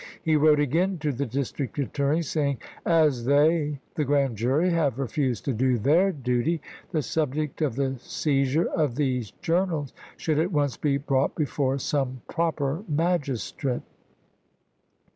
He wrote again to the district attorney, saying, " As they [the grand jury] have refused to do their duty, the subject of the seizure of these journals should at once be brought before some proper magistrate."